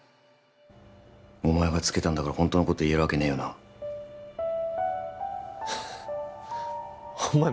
お前がつけたんだからホントのこと言えるわけねえよなお前